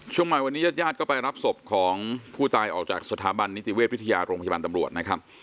ช่วงบ่ายวันนี้ญาติญาติก็ไปรับศพของผู้ตายออกจากสถาบันนิติเวชวิทยาโรงพยาบาลตำรวจนะครับ